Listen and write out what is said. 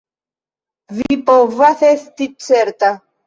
Vi povas esti certa.